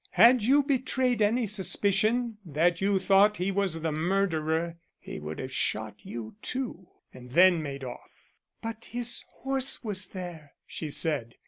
Had you betrayed any suspicion that you thought he was the murderer he would have shot you too, and then made off." "But his horse was there," she said.